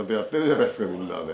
みんなで。